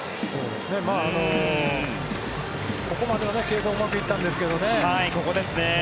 ここまでは継投うまくいったんですけどね。